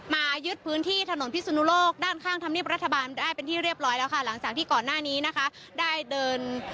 มายึดพื้นที่ถนนพิสุนุโลกด้านข้างธรรมเนียบรัฐบาลได้เป็นที่เรียบร้อยแล้วค่ะหลังจากที่ก่อนหน้านี้นะคะได้เดิน